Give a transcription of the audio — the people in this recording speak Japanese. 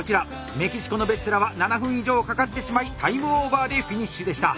メキシコのベッセラは７分以上かかってしまいタイムオーバーでフィニッシュでした。